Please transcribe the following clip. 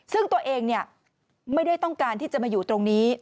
ซึ่งตัวเองไม่ได้ต้องการที่จะมาอยู่ตรงนี้